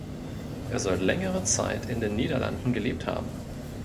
Er soll längere Zeit in den Niederlanden gelebt haben.